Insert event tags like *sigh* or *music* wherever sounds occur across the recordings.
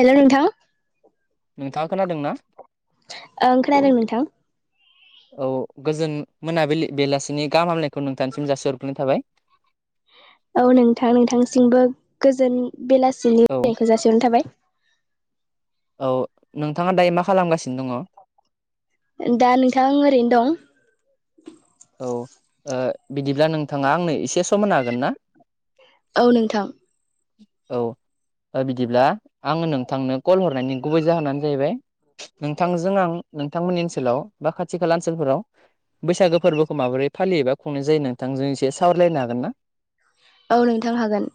हेल' नोंथां। नोंथाङा खोनादों ना? ओं खोनादों नोंथां। औ गोजोन मोनाबिलि बेलासिनि गाहामलानायखौ नोंथांनिसिम जासि हरग्रोनाय थाबाय। औ नोंथां नोंथांसिमबो गोजोन औ बेलासिनिखौ *inaudible* जासिहरनाय थाबाय। औ नोंथाङा दायो मा खालामगासिनो दङ? दा नोंथां ओरैनो दं। औ ओ बिदिब्ला नोंथाङा आंनो एसे सम होन हागोन ना? औ नोंथां। औ ओ बिदिब्ला आङो नोंथांनो कल हरनायनि गुबै जाहोनानो जाहैबाय नोंथांजों आं नोंथांमोननि ओनसोलाव बा खाथि खाला ओनसोलफोराव बैसागो फोरबोखौ माबोरै फालियोबा खुंनाय जायो नोंथांजों एसे सावरायलायनो हागोन ना? औ नोंथां हागोन।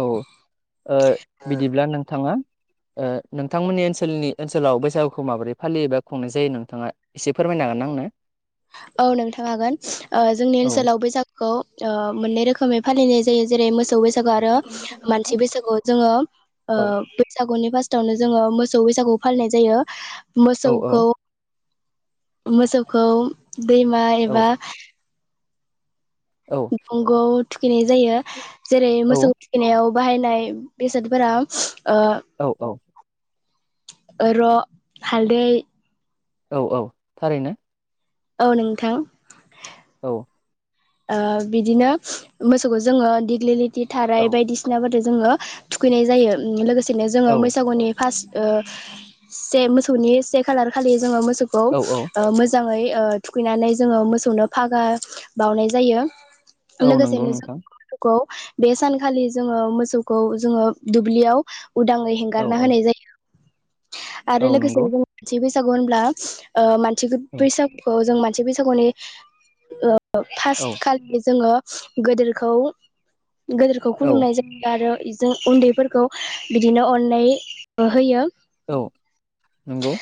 औ बिदिब्ला नोंथाङा नोंथांमोननि ओनसोलनि ओनसोलाव बैसागुखौ माबोरै फालियोबा खुंनाय जायो नोंथाङा एसे फोरमायनो हागोन ना आंनो? औ नोंथां हागोन जोंनि औ ओनसोलाव बैसागुखौ मोननै रोखोमै फालि जायो जेरै मोस सौ बैसागु आरो मानसि बैसागु जोङो ओ औ बैसागुनि फास थावनो जोङो मोसौ बैसागु फालिनाय जायो मोसौखौ औ मोसौखौ दैमा औ एबा औ दंग'आव थुखैनाय जायो जेरै मोसौ थुखैनायाव बाहायनाय बेसादफोराव औ औ ओ र हालदै औ औ थारैनो। औ नोंथां औ ओ बिदिनो मोसौखौ जोङो दिग्लिलिथि औ थाराय बायदिसिनाबो जोङो थुखैनाय जायो लोगोसेनो जोङो औ बैसागुनि फास ओ से मोसौनि से खालार खालि जोङो मोसौखौ औ औ ओ मोजाङै थुखैनानै जोङो मोसौनो फागा बावनाय जायो। औ नंगौ लोगोसेनो नोंथां *unintelligible* खौ बे सानखालि जोङो मोसौखौ जोङो दुब्लियाव उदाङै औ हेंगारना औ होनाय जायो। आरो औ लोगोसे नंगौ जों नैथि बैसागु होनब्ला मानसि औ बैसागुखौ जों मा मोनसे बैसागुनि औ फार्स्ट खालिनि जोङो गेदेरखौ गोदोरखौ औ खुलुमनाय जायो आरो जों उन्दैफोरखौ बिदिनो अननाय होयो औ नंगौ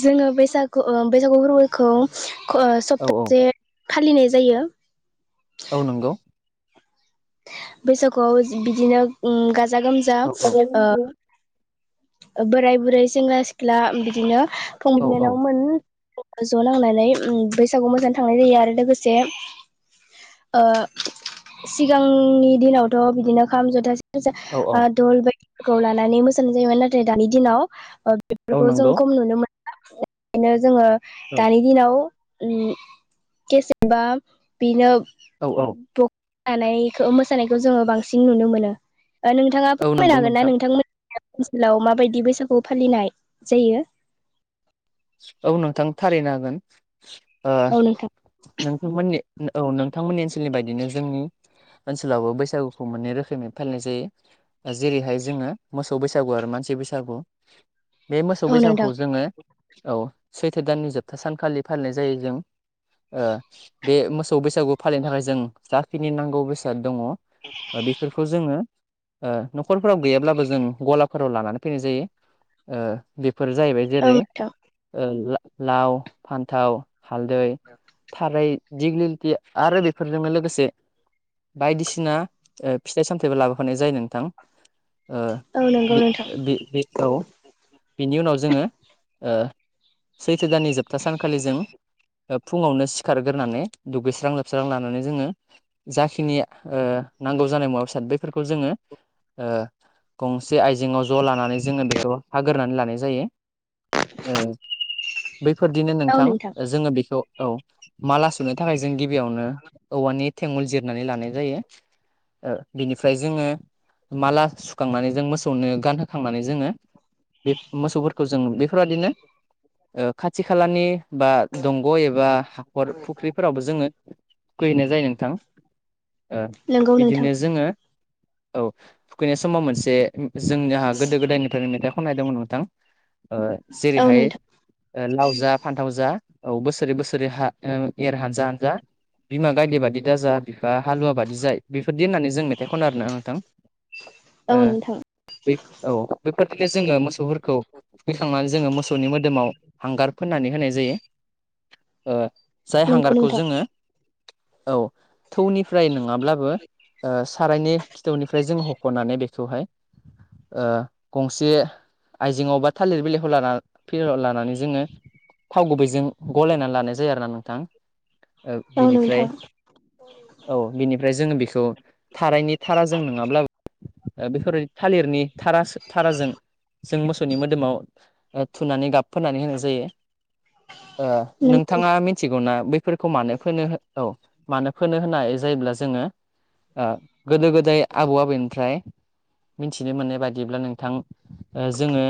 जोङो बैसागु ओ बैसागु फोरबोखौ ओ औ औ सप्तासे फालिनाय जायो औ नंगौ बैसागुआव बिदिनो उम गाजा गोमजा औ औ ओ बोराय बुरै सेंग्रा सिख्ला बिदिनो फं औ औ बिनानावमोन ज' नांनानै बैसागु मोजानो थांनाय जायो आरो लोगोसे सिगांनि दिनावथ' बिदिनो खाम जथासे धल बायदिफोरखौ लानानै मोसानाय जायोमोन नाथाय दानि दिनाव औ बेफोरखौ जों नंगौ खम नुनो मोना ओखायनो जोङो औ दानि दिनाव औ *unintelligible* नानै खो मोसानायखौ जोङो बांसिन नुनो मोनो नोंथाङा औ फोरमायनो नंगौ हागोन ना नोंथां नोंथांमोन माबायदि बैसागु फालिनाय जायो औ नोंथां थारैनो हागोन औ नोंथां नोंथांमोननि औ नोंथांमोननि ओनसोलनि बायदिनो जोंनि ओनसोलावबो बैसागुखौ मोननै रोखोमै फालिनाय जायो जेरैहाय जोङो मोसौ बैसागु आरो मान सि बैसागु बे मोसौ औ बैसागुखौ नोंथां जोङो औ सैथ दाननि जोबथा सानखालि फालिनाय जायो जों बे मोसौ बैसागु फालिनो थाखाय जों जाखिनि नांगौ बैसागु दङ बेफोरखौ जोङो न'खरफोराव गैयाब्लाबो जों गलाफोराव लानानै फैनाय जायो बे फोर जाहैबाय जेरै औ नोंथां लाव फान्थाव हालदै थारै। दिगलिलिटि आरो बेफोरजोंनो लोगोसे। बायदिसिना ओ फिथाइ सामथायाइबो लाबोफानाय जायो नोंथां। ओ औ बे नंगौ नोंथां बे बेऔ बेनि उनाव जोङो। ओ सैथो दाननि जोबथा सानखालि जों। फुङावनो सिखारग्रानै दुगैस्रां लोबस्रां लानानै जोङो जाखिनिओ‌। नांगौ जानाय मुवा बेसाद बेफोरखौ जोङो। गंसे आइजेंआव ज' लानानै जोङो बेखौ हाग्रोनै लानाय जायो। बैफोरदिनो नोंथां जोङो बेखौ औ। माला सुनो थाखाय जों गिबियावनो औवानि थेंगुल जिरनानै लानाय जायो। ओ बिनिफ्राय जोङो माला सुखांनानै जों मोसौनो गानहोखांनानै जोङो। बेफोरबादिनो खाथि खालानि बा। दंग' एबा हाखर फुख्रिफोरावबो जोङोथुखैहैनाय जायो नोंथां। नंगौ नोंथां बिदिनो जोङो औ थुखैनाय समाव मोनसे। जों नि हा गोदो गोदायनिफ्रायनो मेथाइ खननायदोंमोन नोंथां। ओ औ जेरैहाय नोंथां ओ लाव जा फान्थाव जा। औ बोसोरै बोसोरै हा एर हानजा हानजा बिमा गायदे बादि दाजा। बिफा हालुवा बाददिजा बेफोरदि होननानै जों मेथाइ खन आरोना नोंथां। ओ औ नोंथां बे औ बेफोर। जो मोसफोरखौ फैखांनानै जों मोसनि मोदोमाव। आव हांगार फोननानै होनाय जायो ओ जाय नंगौ हांगारखौ नोंथां जोङो। औ। थौनिफ्राय नङाब्लाबो सारायनि खिथौनिफ्राय जों हख'नानै बेख। खौहाय ओ गंसे आइजेंआव बाद। थालिर बिलाइखौ लाना गेजेराव‌ लानानै जोंङो थाव गुबैजों। गलायनानै लानाय जायो आरोना नोंथां औ बिनिफ्राय नोंथां औ बिनिब ओमफ्राय जोङो बिखौ थाराइनि थाराजों नोंङाब्ला बेफोरबायदि थालिरनि। थारास-थाराजों जों मोसौनि मोद ओ थुनानै गाब फोननानै होनाय जायो। ओ नंगौ नोंथां नोंथाङा मिथिगौना बैफोरखौ मानो फोनो औ। मानो फोनो होननाय जायोब्ला जोङो ओ गोदो गोदाय आबौ आबैनिफ्राय। मिथिनो मोननाय बायदिब्ला नोंथां। ओ जोङो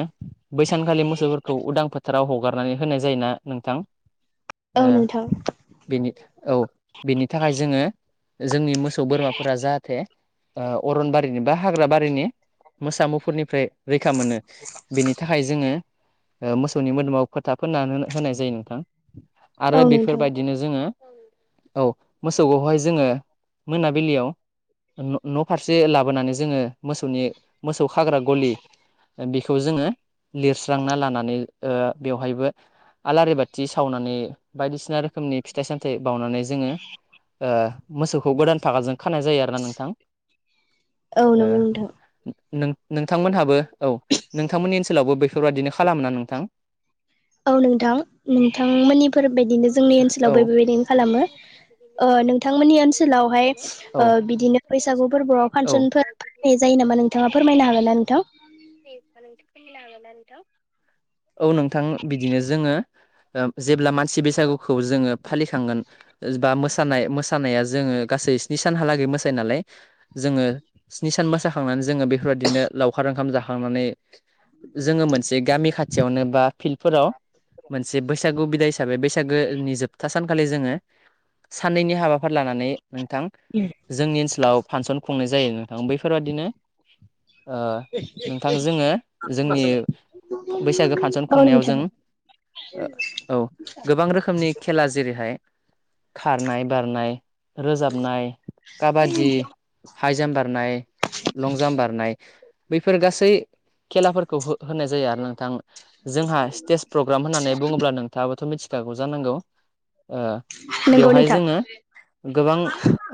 बैसानखालि मोसौफोरखौ उदां फोथाराव। हगारनानै होनाय जायोना नोंथां औ ओ नोंथां बेनिथ औ। बिनि थाखाय जोङो जोंनि मोसौ बोरमाफोरा जाहाथे ओ अरनबारि। नि बा हाग्रा बारिनि मोसा मुफुरनिफ्राय रैखा मोननो। बेनि थाखाय जोङो ओ मोसौनि मोदोमाव फोथा फोनना हो होनाय जायो नोंथां। आरो औ नोंथां बेफोरबायदिनो जोङो औ मोसौखौहाय जोङो मोनाब बिलियाव न' फारसे लाबोनानै जोङो मोसौनि। मोसौ खाग्रा गलि बि खौ जोङो लिरस्रांना लानानै ओ बेवहायबो। आलारि बाथि सावनानै बायदिसिना रोखोमनि फिथाइ सामथायाइ बावनानै जोङो। मोसौखौ गोदान फागाजों खानाय जायो आरोना नोंथां। औ नंगौ नोंथां नोंथांमोनहाबो। औ नोंथांमोननि ओनसोलावबो बेफोरबायादिनो खालाम ना नोंथां। औ नोंथां नोंथांमोननिफोरबायदिनो जोंनि ओनसोलावबो औ बेबायदिनो खालामो। नोंथांमोननि ओनसोलावहाय औ बिदिनो बैसागु फोरबोआव औ फांसनफोर फालिनाय जायो। यो नामा नोंथाङा फोरमायनो होगोनना नोंथां। नोंथाङा फोरमायनो हागोननो ना नोंथां औ नोंथां बिदिनो जोङो ओ। जेब्ला मानसि बैसागुखौ जोङो फालिखांगोन बा मोसानाय मोसानाया। जोङो गासै स्नि सानहालागै मोसायो नालाय जोङो स्नि सान मोसाखांनानै जोङो बेफोरबायदिनो। लावखार ओंखाम जाखांनानै जोङो मोनसे गामि खाथियावनो बा। फिल्डफोराव मोनसे बैसागु बिदाय हिसाबै बैसागोनि जोबथा सानखालि जोङो। साननैनि हाबाफोर लानानै नोंथां जोंनि ओनसोलाव फानसन खुंनाय जायो नोंथां बैफोर बादिनो नोंथां जोङो जोंनि बैसागो फांसन औ खुंनायाव नोंथां जों। औ गोबां रोखोमनि खेला जेरैहाय। खारनाय बारनाय रोजाबनाय काबादि हाइ जाम्प बारनाय लं जाम्प बारनाय बैफोर गासै खेलाफोरखौ होनाय जायो आरो नोंथां। जोंहा स्टेज प्रग्राम होननानै बुङोब्ला नोंथाङाबोथ' मिथिखागौ जानांगौ। नंगौ बेवहाय नोंथां जोङो गोबां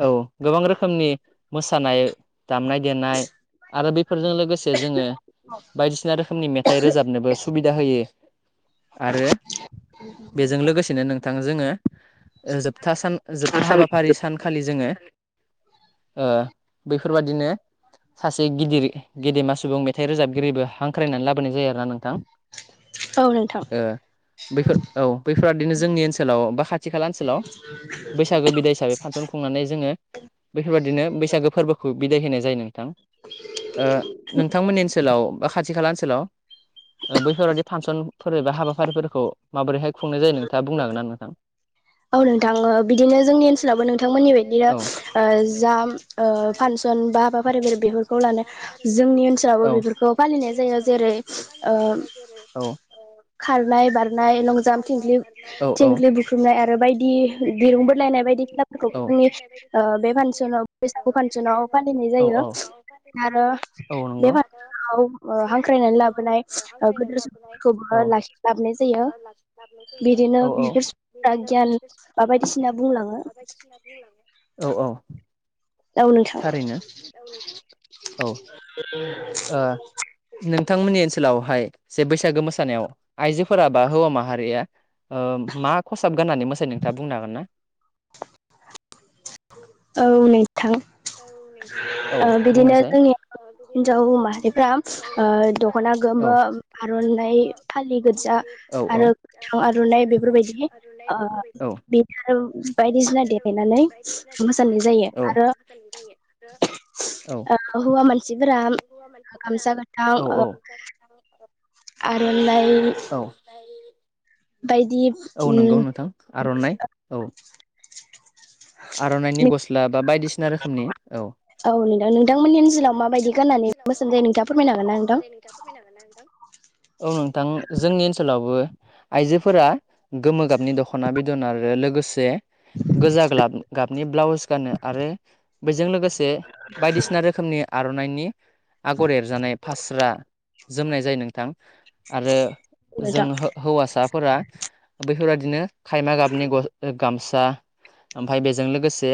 औ गोबां रोखोमनि। मोसानाय दामनाय देनाय आरो बेफोरजों। लोगोसे जोङो बायदिसिना रोखोमनि मेथाइ रोजाबनोबो सुबिदा होयो। आरो बेजों लोगोसेनो नोंथां जोङो। जोबथा सान जोबथा हाबाफारि सानखालि जोङो बैफोरबादिनो सासे गिदिर गेदेमा सुबुं मेथाइ रोजाबगिरिबो हांख्रायनानै लाबोनाय जायो आरोना नोंथां। औ नोंथां बेफोर औ बैफोर बादिनो जोंनि ओनसोलाव बा खाथि खाला ओनसोलाव। बैसागो बिदाय हिसाबै फांसन खुंनानै जोङो बेफोरबायदिनो। बैसागो फोरबोखौ बिदाय होनाय जायो नोंथां नोंथांमोननि ओनसोलाव बा खाथि खाला ओनसोलाव बैफोरबादि फांसनफोर एबा हाबाफारिफोरखौ माबोरैहाय खुंनाय जायो नोंथाङा बुंनो हागोन ना नोंथां। *inaudible* औ नोंथां ओ बिदिनो जोंनि ओनसोलावबो नोंथांमोननि बदिनो जा फानसन बा हाबाफारि बे बेफोरखौ लानो जोंनि ओनसोलावबो बेफोरखौ फालिनाय जायो जेरै ओ खारनाय बारनाय लंजाम्प थिंख्लि थिंख्लि बुख्रुमनाय आरो आरो बायदि दिरुं बोलायनाय बायदि खेलाफोरखौ जोंनि बे फानसनाव बैसागु ओ फानसनाव फालिनाय जायो आरो बे जायो हांख्रायनानै लाबोनाय गोदोर सुबुंफोरखौबो लाखि लाबोनाय जायो। बिदिनो औ बिफोर गियान बा बायदिसिना बुंलाङो औ औ औ नोंथां। थारैनो औ ओ नोंथांमोननि ओनसोलाव हाय जे बैसागो मोसानायाव आइजोफोरा बा हौवा माहारिया मा खसाब गाननानै मोसायो नोंथाङा बुंनो हागोन ना? औ नोंथां। औ नोंथां औ ओ बिदिनो बुंनायसाय जोंनि हिन्जाव माहारिफ्रा दख'ना औ गोमो आर'नाइ फालि गोजा औ औ आरो गोथां आर'नाइ बेफोरबायदि बेनो आरो बायदिसिना देला यनानै मोसानाय जायो औ आरो औ हौवा मानसिफोरा गामसा गोथां औ आरनाइ औ बायदि औ नंगौ नोंथां आर'नाइ औ आर'नाइनि गस्ला बा बायदिसिना रोखोमनि औ नोंथां नोंथांमोननि औ ओनसोलाव नोंथां माबायदि नोंथांमोननि गाननानै ओनसोलाव मोसानाय जायो माबायदि नोंथाङा फोरमायनो गाननानै हागोन ना नोंथां? मोसानाय जायो नोंथाङा फोरमायनो हागोन ना औ नोंथां जोंनि ओनसोलावबो आइजोफोरा गोमो गाबनि दख'ना बे आरो लोगोसे गोजा ग्लाब गाबनि ब्लाउस गानो आरो बेजों लोगोसे बायदिसिना रोखोमनि आर'नाइनि आगर एरजानाय फास्रा जोमनाय जायो नोंथां। आरो जों नोंथां हौवासाफोरा बैफोरबादिनो खायमा गाबनि ग गामसा ओ फ्राय बेजों लोगोसे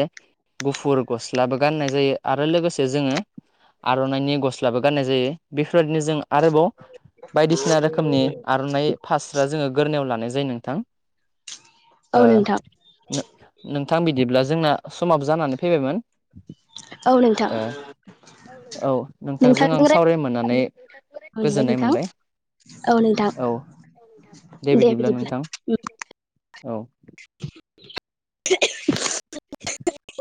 गुफुर गस्लाबो गाननाय जायो आरो लोगोसे जोङो आर'नाइनि गस्लाबो गाननाय जायो बे फोरबायदिनो जों आरोबाव बायदिसिना रोखोमनि आर'नाइ फास्रा जोङो गोरोनाव लानाय जा यो नोंथां ओ औ नोंथां नों- नों थां बिदिब्ला जोंना समाब जानानै फैबायमोन। औ नोंथां। ओ औ नोंथांजों आं सावरायनो मोननानै गोजोननाय मोनबाय। औ नोंथां। औ दे बिदिब्ला नोंथां औ। *unintelligible* *inaudible*